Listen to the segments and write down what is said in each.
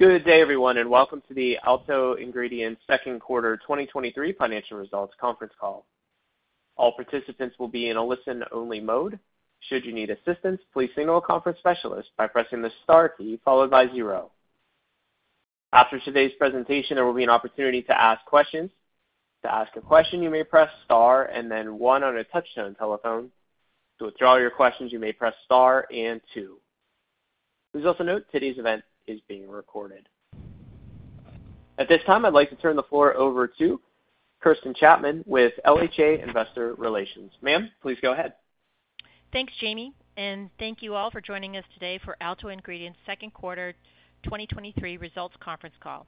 Good day, everyone. Welcome to the Alto Ingredients Second Quarter 2023 Financial Results conference call. All participants will be in a listen-only mode. Should you need assistance, please signal a conference specialist by pressing the Star key followed by zero. After today's presentation, there will be an opportunity to ask questions. To ask a question, you may press Star and then one on a touchtone telephone. To withdraw your questions, you may press Star and two. Please also note today's event is being recorded. At this time, I'd like to turn the floor over to Kirsten Chapman with LHA Investor Relations. Ma'am, please go ahead. Thanks, Jamie. Thank you all for joining us today for Alto Ingredients' 2Q 2023 results conference call.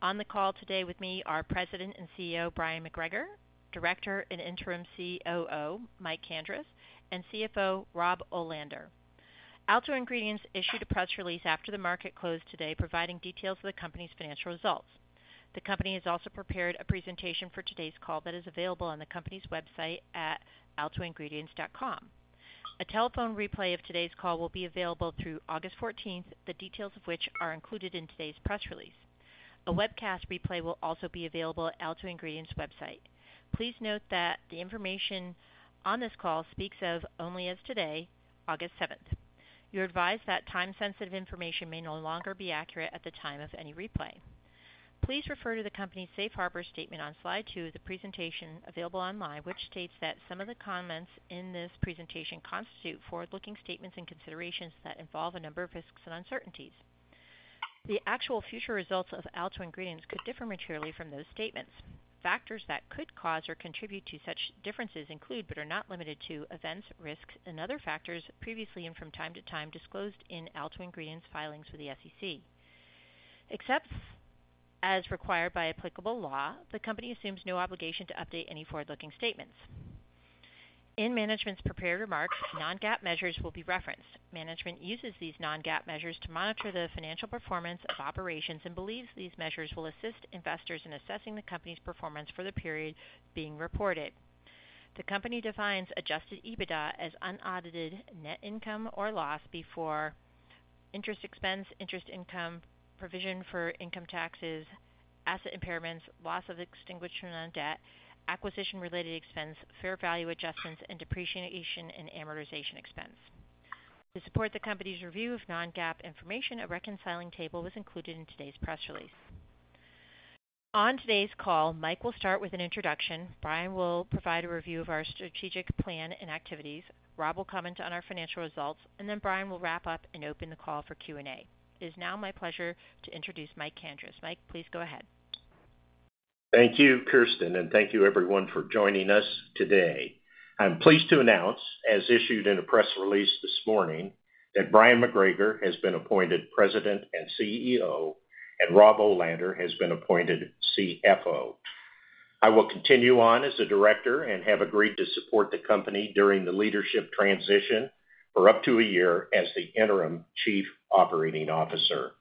On the call today with me are President and CEO, Bryon McGregor, Director and Interim COO, Mike Kandris, and CFO, Rob Olander. Alto Ingredients issued a press release after the market closed today, providing details of the company's financial results. The company has also prepared a presentation for today's call that is available on the company's website at altoingredients.com. A telephone replay of today's call will be available through August 14th, the details of which are included in today's press release. A webcast replay will also be available at Alto Ingredients' website. Please note that the information on this call speaks of only as today, August 7th. You're advised that time-sensitive information may no longer be accurate at the time of any replay. Please refer to the company's Safe Harbor statement on slide two of the presentation available online, which states that some of the comments in this presentation constitute forward-looking statements and considerations that involve a number of risks and uncertainties. The actual future results of Alto Ingredients could differ materially from those statements. Factors that could cause or contribute to such differences include, but are not limited to, events, risks, and other factors previously and from time to time disclosed in Alto Ingredients' filings with the SEC. Except as required by applicable law, the company assumes no obligation to update any forward-looking statements. In management's prepared remarks, non-GAAP measures will be referenced. Management uses these non-GAAP measures to monitor the financial performance of operations and believes these measures will assist investors in assessing the company's performance for the period being reported. The company defines Adjusted EBITDA as unaudited net income or loss before interest expense, interest income, provision for income taxes, asset impairments, loss of extinguishment on debt, acquisition-related expense, fair value adjustments, and depreciation and amortization expense. To support the company's review of non-GAAP information, a reconciling table was included in today's press release. On today's call, Mike will start with an introduction, Bryon will provide a review of our strategic plan and activities, Rob will comment on our financial results, and then Bryon will wrap up and open the call for Q&A. It is now my pleasure to introduce Mike Kandris. Mike, please go ahead. Thank you, Kirsten, and thank you everyone for joining us today. I'm pleased to announce, as issued in a press release this morning, that Bryon McGregor has been appointed President and CEO, and Rob Olander has been appointed CFO. I will continue on as a director and have agreed to support the company during the leadership transition for up to a year as the interim chief operating officer.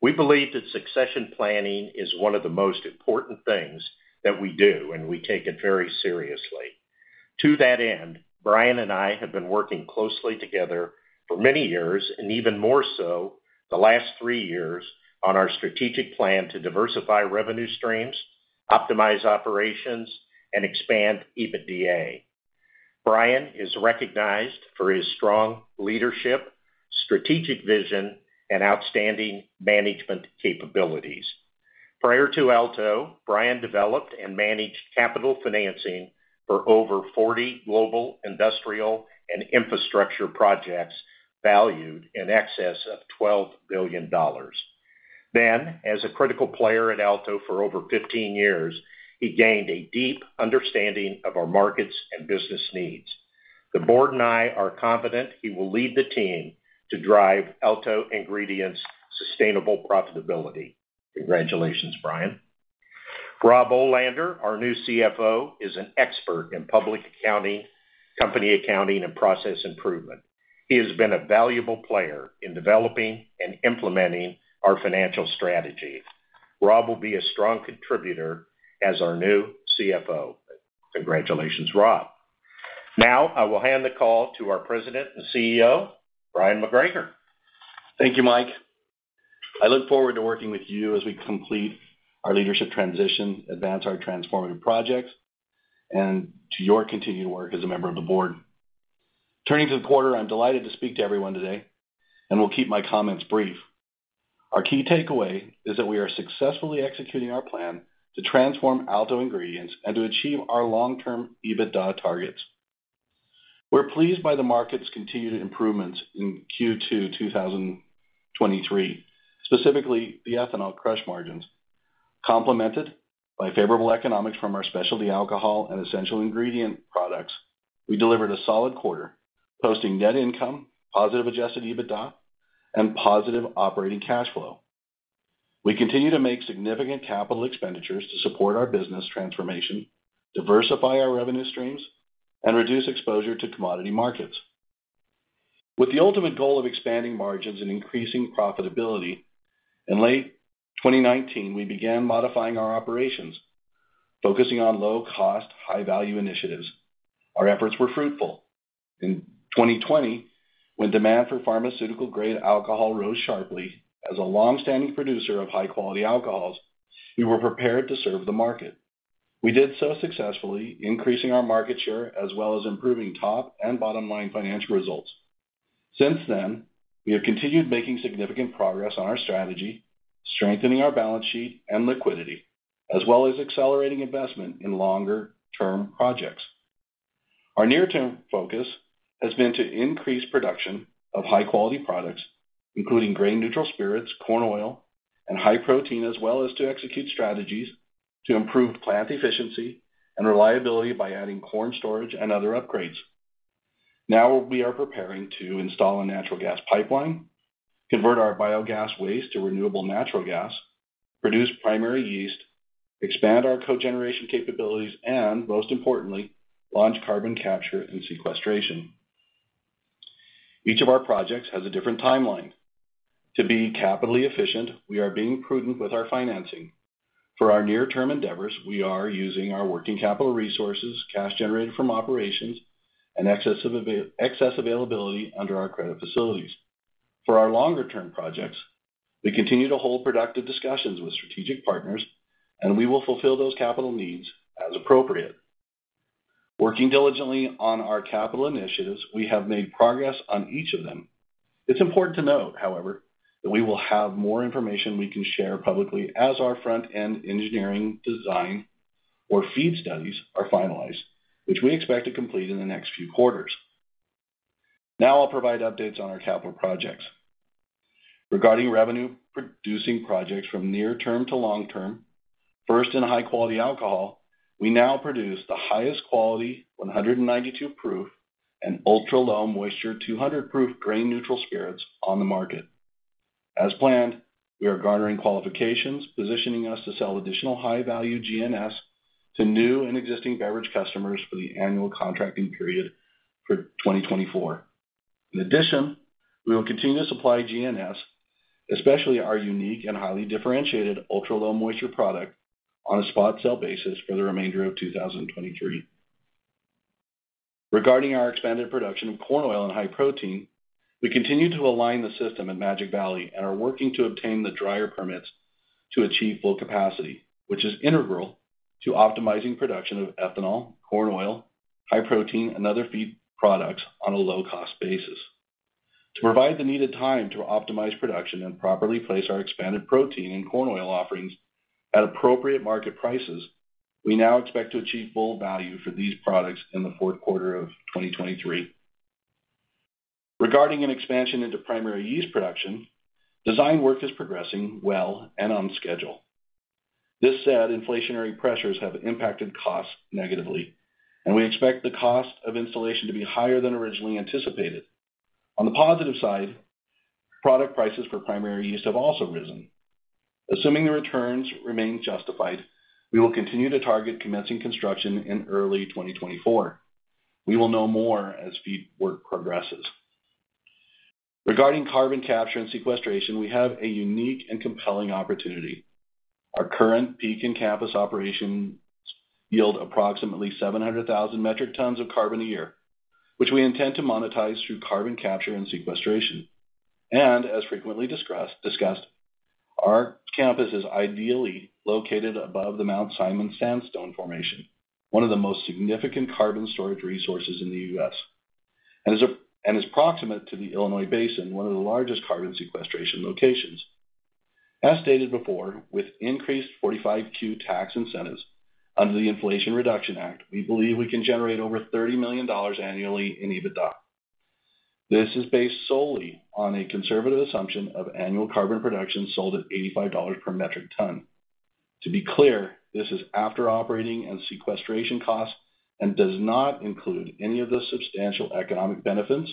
We believe that succession planning is one of the most important things that we do, and we take it very seriously. To that end, Bryon and I have been working closely together for many years and even more so the last three years on our strategic plan to diversify revenue streams, optimize operations, and expand EBITDA. Bryon is recognized for his strong leadership, strategic vision, and outstanding management capabilities. Prior to Alto, Bryon developed and managed capital financing for over 40 global industrial and infrastructure projects valued in excess of $12 billion. As a critical player at Alto for over 15 years, he gained a deep understanding of our markets and business needs. The board and I are confident he will lead the team to drive Alto Ingredients' sustainable profitability. Congratulations, Bryon. Rob Olander, our new CFO, is an expert in public accounting, company accounting, and process improvement. He has been a valuable player in developing and implementing our financial strategy. Rob will be a strong contributor as our new CFO. Congratulations, Rob. I will hand the call to our President and CEO, Bryon McGregor. Thank you, Mike. I look forward to working with you as we complete our leadership transition, advance our transformative projects, and to your continued work as a member of the board. Turning to the quarter, I'm delighted to speak to everyone today and will keep my comments brief. Our key takeaway is that we are successfully executing our plan to transform Alto Ingredients and to achieve our long-term EBITDA targets. We're pleased by the market's continued improvements in Q2 2023, specifically the ethanol crush margins. Complemented by favorable economics from our specialty alcohol and essential ingredient products, we delivered a solid quarter, posting net income, positive Adjusted EBITDA, and positive operating cash flow. We continue to make significant capital expenditures to support our business transformation, diversify our revenue streams, and reduce exposure to commodity markets. With the ultimate goal of expanding margins and increasing profitability, in late 2019, we began modifying our operations, focusing on low-cost, high-value initiatives. Our efforts were fruitful. In 2020, when demand for pharmaceutical-grade alcohol rose sharply, as a long-standing producer of high-quality alcohols, we were prepared to serve the market. We did so successfully, increasing our market share, as well as improving top and bottom-line financial results. Since then, we have continued making significant progress on our strategy, strengthening our balance sheet and liquidity, as well as accelerating investment in longer-term projects. Our near-term focus has been to increase production of high-quality products, including grain neutral spirits, corn oil, and high protein, as well as to execute strategies to improve plant efficiency and reliability by adding corn storage and other upgrades. Now we are preparing to install a natural gas pipeline, convert our biogas waste to renewable natural gas, produce primary yeast, expand our cogeneration capabilities, and, most importantly, launch carbon capture and sequestration. Each of our projects has a different timeline. To be capitally efficient, we are being prudent with our financing. For our near-term endeavors, we are using our working capital resources, cash generated from operations, and excess availability under our credit facilities. For our longer-term projects, we continue to hold productive discussions with strategic partners, we will fulfill those capital needs as appropriate. Working diligently on our capital initiatives, we have made progress on each of them. It's important to note, however, that we will have more information we can share publicly as our Front-End Engineering Design or FEED studies are finalized, which we expect to complete in the next few quarters. Now I'll provide updates on our capital projects. Regarding revenue-producing projects from near term to long term, first, in high-quality alcohol, we now produce the highest quality 192 proof and ultra-low moisture, 200 proof grain neutral spirits on the market. As planned, we are garnering qualifications, positioning us to sell additional high-value GNS to new and existing beverage customers for the annual contracting period for 2024. In addition, we will continue to supply GNS, especially our unique and highly differentiated ultra-low moisture product, on a spot sale basis for the remainder of 2023. Regarding our expanded production of corn oil and high protein, we continue to align the system at Magic Valley and are working to obtain the dryer permits to achieve full capacity, which is integral to optimizing production of ethanol, corn oil, high protein, and other feed products on a low-cost basis. To provide the needed time to optimize production and properly place our expanded protein and corn oil offerings at appropriate market prices, we now expect to achieve full value for these products in the fourth quarter of 2023. Regarding an expansion into primary yeast production, design work is progressing well and on schedule. This said, inflationary pressures have impacted costs negatively, and we expect the cost of installation to be higher than originally anticipated. On the positive side, product prices for primary yeast have also risen. Assuming the returns remain justified, we will continue to target commencing construction in early 2024. We will know more as FEED work progresses. Regarding carbon capture and sequestration, we have a unique and compelling opportunity. Our current Pekin campus operations yield approximately 700,000 metric tons of carbon a year, which we intend to monetize through carbon capture and sequestration. As frequently discussed, our campus is ideally located above the Mount Simon Sandstone Formation, one of the most significant carbon storage resources in the U.S., and is proximate to the Illinois Basin, one of the largest carbon sequestration locations. As stated before, with increased 45Q tax incentives under the Inflation Reduction Act, we believe we can generate over $30 million annually in EBITDA. This is based solely on a conservative assumption of annual carbon production sold at $85 per metric ton. To be clear, this is after operating and sequestration costs and does not include any of the substantial economic benefits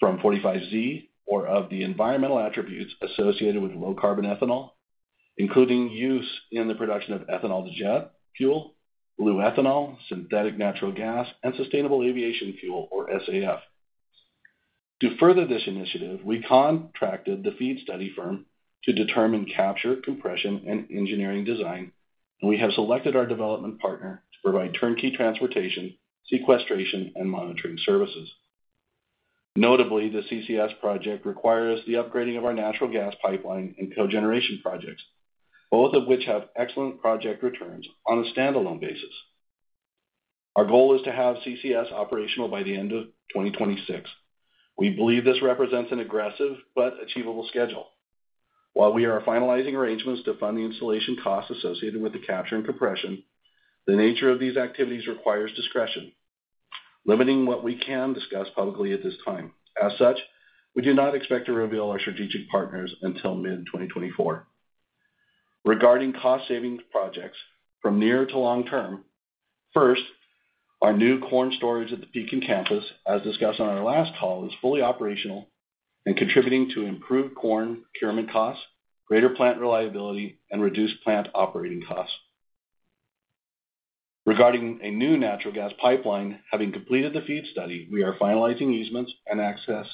from 45Z or of the environmental attributes associated with low-carbon ethanol, including use in the production of ethanol to jet fuel, blue ethanol, synthetic natural gas, and sustainable aviation fuel or SAF. To further this initiative, we contracted the FEED study firm to determine capture, compression, and engineering design, and we have selected our development partner to provide turnkey transportation, sequestration, and monitoring services. Notably, the CCS project requires the upgrading of our natural gas pipeline and cogeneration projects, both of which have excellent project returns on a standalone basis. Our goal is to have CCS operational by the end of 2026. We believe this represents an aggressive but achievable schedule. While we are finalizing arrangements to fund the installation costs associated with the capture and compression, the nature of these activities requires discretion, limiting what we can discuss publicly at this time. As such, we do not expect to reveal our strategic partners until mid-2024. Regarding cost-savings projects from near to long term, first, our new corn storage at the Pekin campus, as discussed on our last call, is fully operational and contributing to improved corn procurement costs, greater plant reliability, and reduced plant operating costs. Regarding a new natural gas pipeline, having completed the FEED study, we are finalizing easements and access,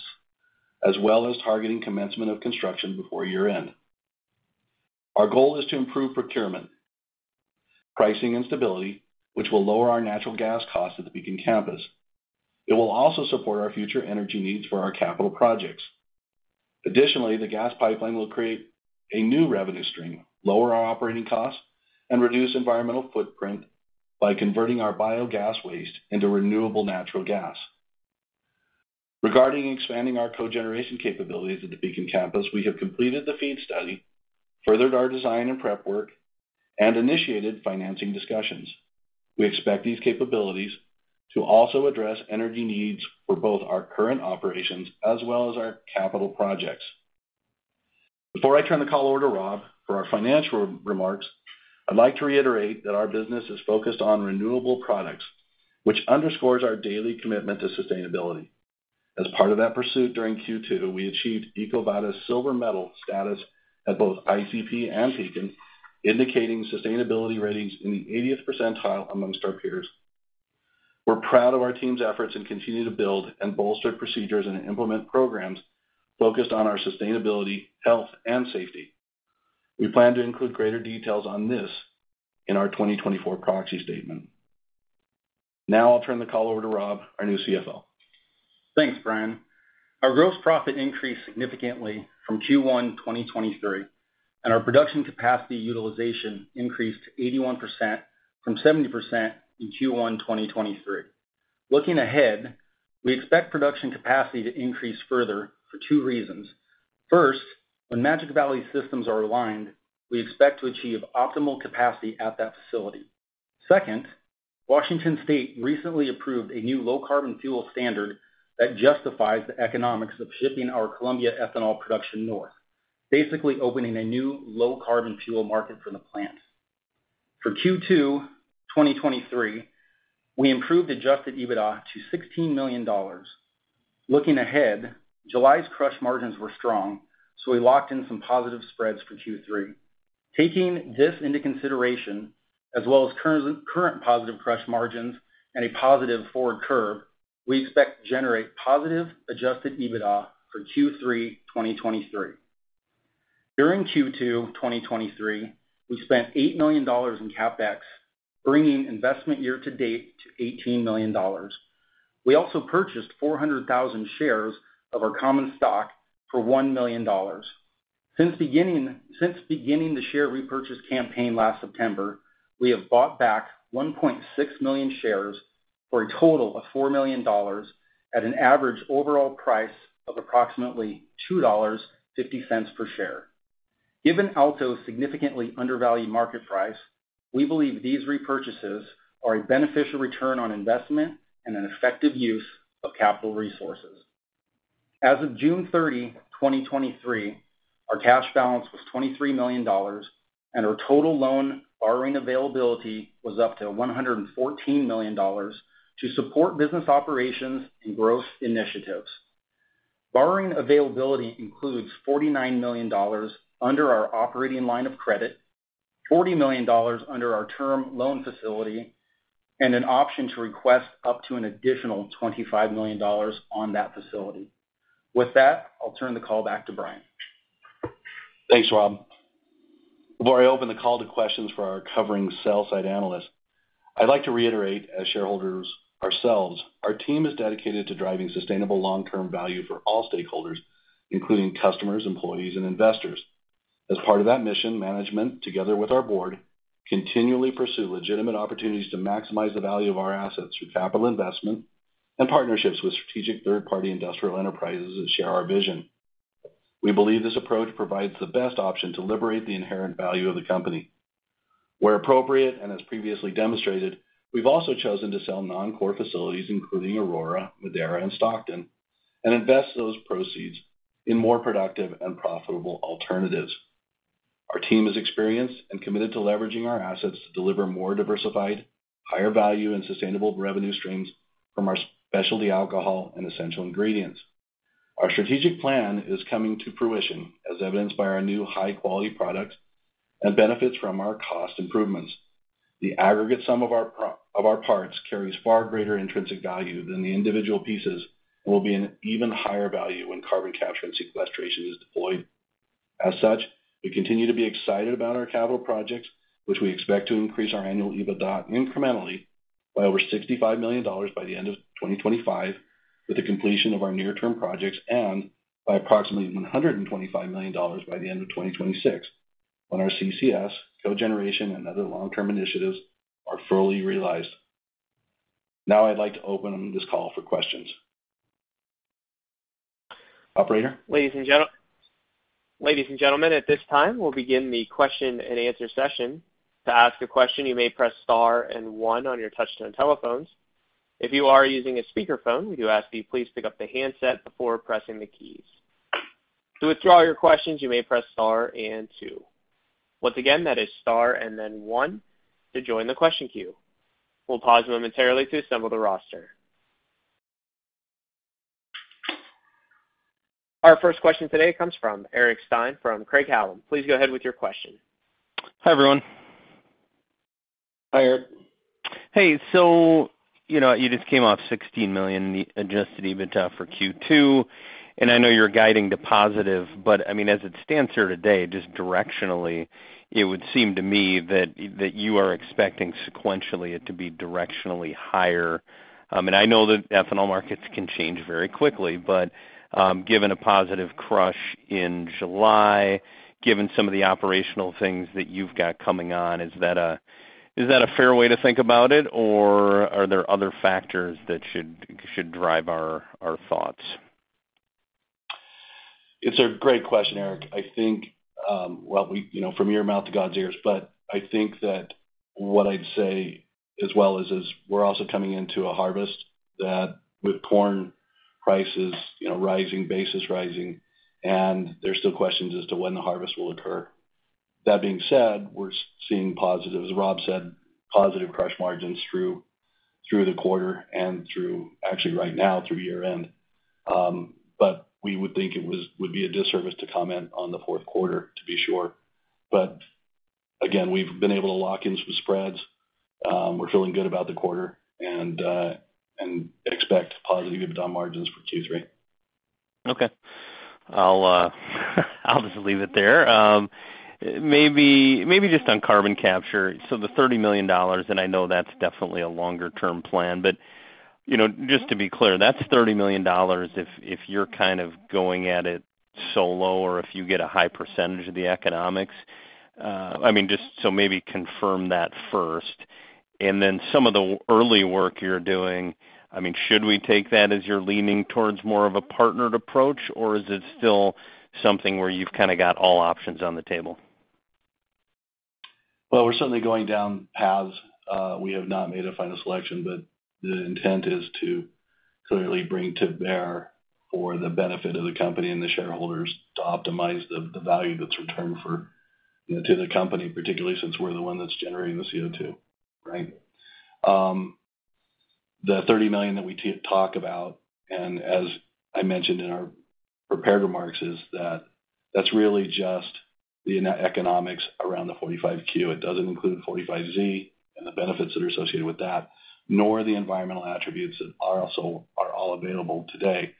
as well as targeting commencement of construction before year-end. Our goal is to improve procurement, pricing, and stability, which will lower our natural gas costs at the Pekin campus. It will also support our future energy needs for our capital projects. The gas pipeline will create a new revenue stream, lower our operating costs, and reduce environmental footprint by converting our biogas waste into renewable natural gas. Regarding expanding our cogeneration capabilities at the Pekin campus, we have completed the feed study, furthered our design and prep work, and initiated financing discussions. We expect these capabilities to also address energy needs for both our current operations as well as our capital projects. Before I turn the call over to Rob for our financial remarks, I'd like to reiterate that our business is focused on renewable products, which underscores our daily commitment to sustainability. Part of that pursuit, during Q2, we achieved EcoVadis Silver Medal status at both ICP and Pekin, indicating sustainability ratings in the 80th percentile amongst our peers. We're proud of our team's efforts and continue to build and bolster procedures and implement programs focused on our sustainability, health, and safety. We plan to include greater details on this in our 2024 proxy statement. Now I'll turn the call over to Rob, our new CFO. Thanks, Bryon. Our gross profit increased significantly from Q1, 2023, and our production capacity utilization increased to 81% from 70% in Q1, 2023. Looking ahead, we expect production capacity to increase further for two reasons. First, when Magic Valley systems are aligned, we expect to achieve optimal capacity at that facility. Second, Washington State recently approved a new Clean Fuel Standard that justifies the economics of shipping our Columbia ethanol production north, basically opening a new low-carbon fuel market for the plant. For Q2, 2023, we improved Adjusted EBITDA to $16 million. Looking ahead, July's crush margins were strong. We locked in some positive spreads for Q3. Taking this into consideration, as well as current positive crush margins and a positive forward curve, we expect to generate positive Adjusted EBITDA for Q3, 2023. During Q2 2023, we spent $8 million in CapEx, bringing investment year to date to $18 million. We also purchased 400,000 shares of our common stock for $1 million. Since beginning the share repurchase campaign last September, we have bought back 1.6 million shares for a total of $4 million at an average overall price of approximately $2.50 per share. Given Alto's significantly undervalued market price, we believe these repurchases are a beneficial return on investment and an effective use of capital resources. As of June 30, 2023, our cash balance was $23 million, and our total loan borrowing availability was up to $114 million to support business operations and growth initiatives. Borrowing availability includes $49 million under our operating line of credit, $40 million under our term loan facility, and an option to request up to an additional $25 million on that facility. With that, I'll turn the call back to Bryon. Thanks, Rob. Before I open the call to questions for our covering sell side analysts, I'd like to reiterate, as shareholders ourselves, our team is dedicated to driving sustainable long-term value for all stakeholders, including customers, employees, and investors. As part of that mission, management, together with our board, continually pursue legitimate opportunities to maximize the value of our assets through capital investment and partnerships with strategic third-party industrial enterprises that share our vision. We believe this approach provides the best option to liberate the inherent value of the company. Where appropriate, and as previously demonstrated, we've also chosen to sell non-core facilities, including Aurora, Madera, and Stockton, and invest those proceeds in more productive and profitable alternatives. Our team is experienced and committed to leveraging our assets to deliver more diversified, higher value, and sustainable revenue streams from our specialty alcohol and essential ingredients. Our strategic plan is coming to fruition, as evidenced by our new high-quality products and benefits from our cost improvements. The aggregate sum of our of our parts carries far greater intrinsic value than the individual pieces and will be an even higher value when carbon capture and sequestration is deployed. As such, we continue to be excited about our capital projects, which we expect to increase our annual EBITDA incrementally by over $65 million by the end of 2025, with the completion of our near-term projects, and by approximately $125 million by the end of 2026, when our CCS, cogeneration, and other long-term initiatives are fully realized. I'd like to open this call for questions. Operator? Ladies and gentlemen, at this time, we'll begin the question and answer session. To ask a question, you may press star and one on your touchtone telephones. If you are using a speakerphone, we do ask that you please pick up the handset before pressing the keys. To withdraw your questions, you may press star and two. Once again, that is star and then one to join the question queue. We'll pause momentarily to assemble the roster. Our first question today comes from Eric Stine from Craig-Hallum. Please go ahead with your question. Hi, everyone. Hi, Eric. Hey, you know, you just came off $16 million in the Adjusted EBITDA for Q2, and I know you're guiding to positive, but I mean, as it stands here today, just directionally, it would seem to me that, that you are expecting sequentially it to be directionally higher. I know that ethanol markets can change very quickly, but, given a positive crush in July, given some of the operational things that you've got coming on, is that a, is that a fair way to think about it, or are there other factors that should, should drive our, our thoughts? It's a great question, Eric. I think, well, you know, from your mouth to God's ears, but I think that what I'd say as well is, is we're also coming into a harvest, that with corn prices, you know, rising, basis rising, and there's still questions as to when the harvest will occur. That being said, we're seeing positives, as Rob said, positive crush margins through, through the quarter and through actually right now, through year-end. We would think it would be a disservice to comment on the fourth quarter, to be sure. Again, we've been able to lock in some spreads. We're feeling good about the quarter and expect positive EBITDA margins for Q3. Okay. I'll just leave it there. Maybe, maybe just on carbon capture. The $30 million, and I know that's definitely a longer-term plan, but, you know, just to be clear, that's $30 million if, if you're kind of going at it solo or if you get a high percentage of the economics. I mean, just so maybe confirm that first. Then some of the early work you're doing, I mean, should we take that as you're leaning towards more of a partnered approach, or is it still something where you've kinda got all options on the table? Well, we're certainly going down paths. We have not made a final selection, but the intent is to clearly bring to bear for the benefit of the company and the shareholders to optimize the value that's returned for, you know, to the company, particularly since we're the one that's generating the CO2, right? The $30 million that we talk about, and as I mentioned in our prepared remarks, is that that's really just the economics around the 45Q. It doesn't include 45Z and the benefits that are associated with that, nor the environmental attributes that are also are all available today.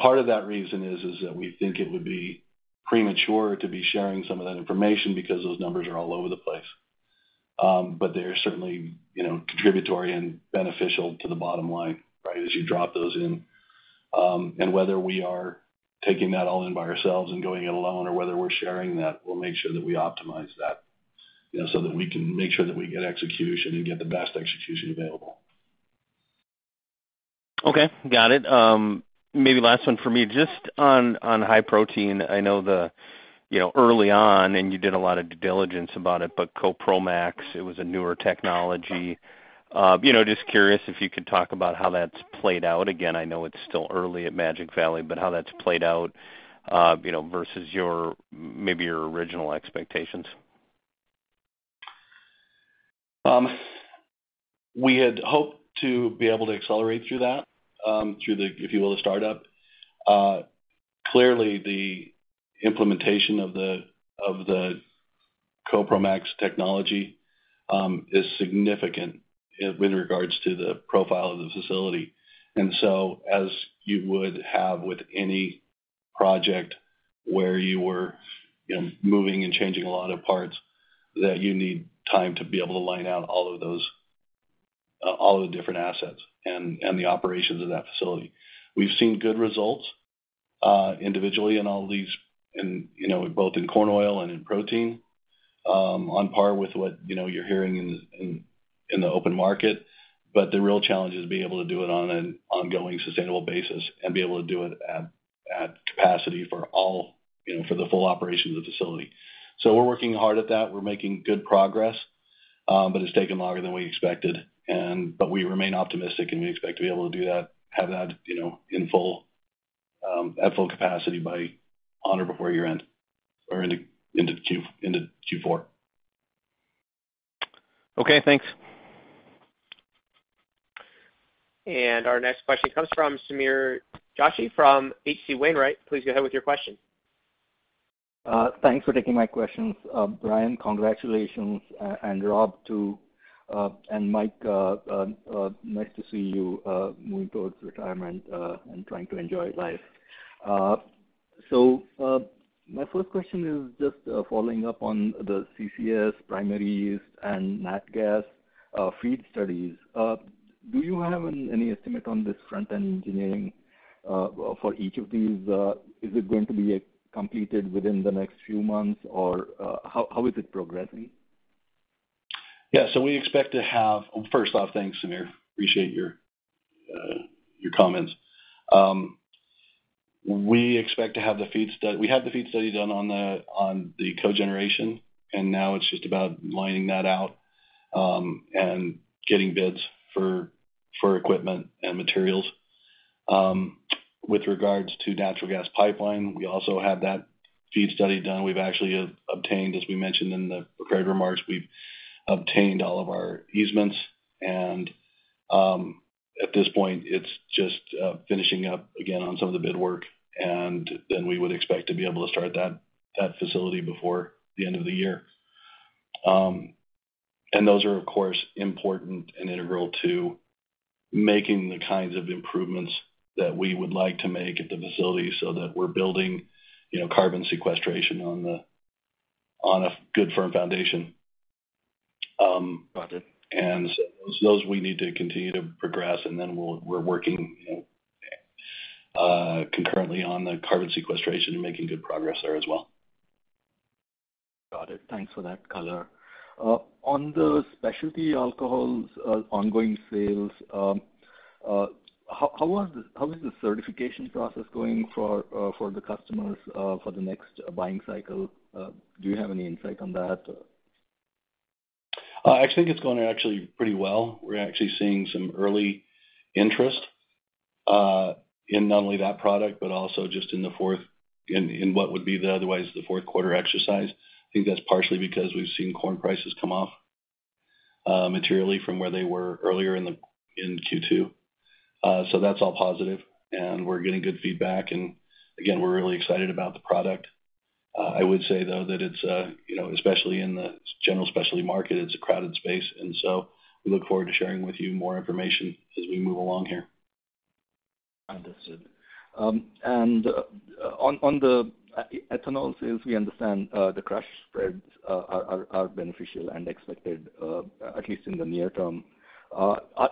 Part of that reason is that we think it would be premature to be sharing some of that information because those numbers are all over the place. They're certainly, you know, contributory and beneficial to the bottom line, right, as you drop those in. Whether we are taking that all in by ourselves and going it alone, or whether we're sharing that, we'll make sure that we optimize that, you know, so that we can make sure that we get execution and get the best execution available. Okay, got it. Maybe last one for me, just on, on high protein. I know, you know, early on, and you did a lot of due diligence about it, but CoPromax, it was a newer technology. You know, just curious if you could talk about how that's played out. Again, I know it's still early at Magic Valley, but how that's played out, you know, versus your maybe your original expectations. We had hoped to be able to accelerate through that, through the, if you will, the startup. Clearly, the implementation of the, of the CoPromax technology, is significant in, in regards to the profile of the facility. As you would have with any project where you were, you know, moving and changing a lot of parts, that you need time to be able to line out all of those, all of the different assets and, and the operations of that facility. We've seen good results, individually in all these and, you know, both in corn oil and in protein, on par with what, you know, you're hearing in the, in, in the open market. The real challenge is being able to do it on an ongoing, sustainable basis and be able to do it at, at capacity for all, you know, for the full operation of the facility. We're working hard at that. We're making good progress, but it's taken longer than we expected. But we remain optimistic, and we expect to be able to do that, have that, you know, in full, at full capacity by on or before year-end or into Q4. Okay, thanks. Our next question comes from Sameer Joshi from H.C. Wainwright. Please go ahead with your question. Thanks for taking my questions. Bryon McGregor, congratulations, and Rob Olander, too, and Mike Kandris, nice to see you moving towards retirement and trying to enjoy life. My first question is just following up on the CCS primaries and nat gas FEED studies. Do you have any estimate on this Front-End Engineering for each of these? Is it going to be completed within the next few months, or how, how is it progressing? Yeah, First off, thanks, Sameer. Appreciate your comments. We expect to have the FEED study done on the cogeneration, and now it's just about lining that out and getting bids for equipment and materials. With regards to natural gas pipeline, we also have that FEED study done. We've actually obtained, as we mentioned in the prepared remarks, we've obtained all of our easements. At this point, it's just finishing up again on some of the bid work, and then we would expect to be able to start that facility before the end of the year. Those are, of course, important and integral to making the kinds of improvements that we would like to make at the facility so that we're building, you know, carbon sequestration on a good, firm foundation. Got it. Those we need to continue to progress, and then we're working concurrently on the carbon sequestration and making good progress there as well. Got it. Thanks for that color. On the specialty alcohols, ongoing sales, how is the certification process going for the customers for the next buying cycle? Do you have any insight on that? I think it's going actually pretty well. We're actually seeing some early interest in not only that product, but also just in the fourth-- what would be the otherwise the fourth quarter exercise. I think that's partially because we've seen corn prices come off materially from where they were earlier in the, in Q2. That's all positive, and we're getting good feedback. Again, we're really excited about the product. I would say, though, that it's a, you know, especially in the general specialty market, it's a crowded space, and so we look forward to sharing with you more information as we move along here. Understood. On, on the ethanol sales, we understand, the crush spreads, are, are beneficial and expected, at least in the near term.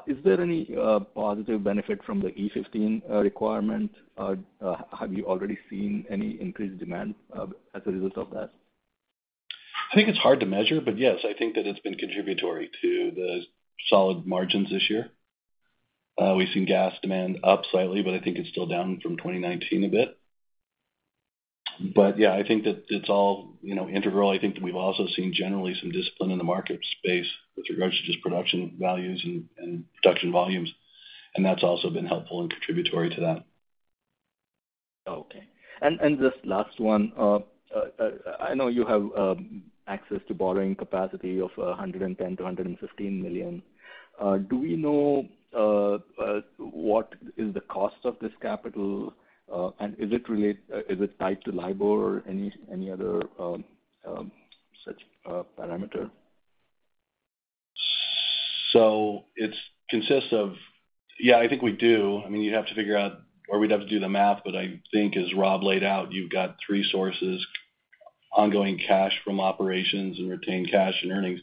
Is there any, positive benefit from the E15, requirement? Have you already seen any increased demand, as a result of that? I think it's hard to measure, but yes, I think that it's been contributory to the solid margins this year. We've seen gas demand up slightly, but I think it's still down from 2019 a bit. Yeah, I think that it's all, you know, integral. I think that we've also seen generally some discipline in the market space with regards to just production values and, and production volumes, and that's also been helpful and contributory to that. Okay. Just last one. I know you have access to borrowing capacity of $110 million-$115 million. Do we know what is the cost of this capital? Is it tied to LIBOR or any other such parameter? It consists of. Yeah, I think we do. I mean, you'd have to figure out, or we'd have to do the math, but I think as Rob laid out, you've got three sources: ongoing cash from operations and retained cash and earnings.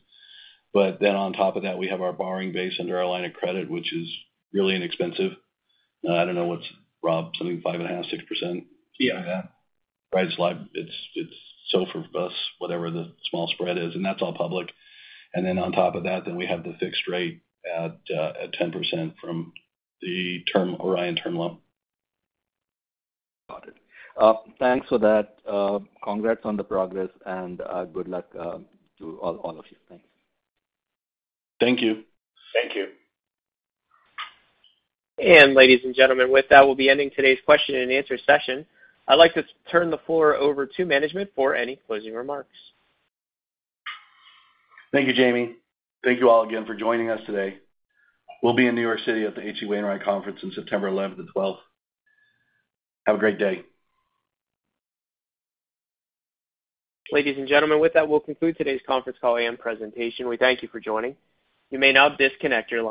Then on top of that, we have our borrowing base under our line of credit, which is really inexpensive. I don't know what's, Rob, something 5.5%-6%? Yeah. Right. It's like, it's for us, whatever the small spread is, that's all public. Then on top of that, then we have the fixed rate at 10% from the Orion term loan. Got it. Thanks for that. Congrats on the progress, and good luck to all, all of you. Thanks. Thank you. Thank you. Ladies and gentlemen, with that, we'll be ending today's question and answer session. I'd like to turn the floor over to management for any closing remarks. Thank you, Jamie. Thank you all again for joining us today. We'll be in New York City at the H.C. Wainwright Conference on September eleventh and twelfth. Have a great day. Ladies and gentlemen, with that, we'll conclude today's conference call and presentation. We thank you for joining. You may now disconnect your lines.